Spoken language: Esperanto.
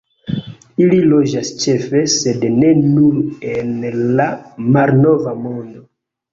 Ili loĝas ĉefe, sed ne nur en la Malnova Mondo.